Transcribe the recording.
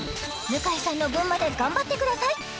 向井さんの分まで頑張ってください！